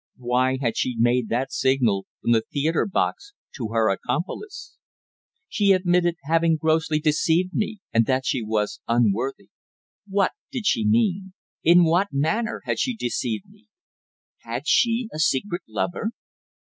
Why had she made that signal from the theatre box to her accomplice? She admitted having grossly deceived me, and that she was unworthy. What did she mean? In what manner had she deceived me? Had she a secret lover?